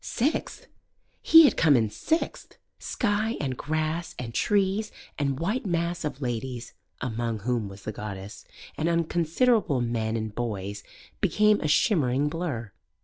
Sixth! He had come in sixth! Sky and grass and trees and white mass of ladies (among whom was the goddess) and unconsiderable men and boys became a shimmering blur.